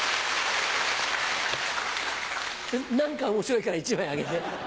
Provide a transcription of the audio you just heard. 何か面白いから１枚あげて。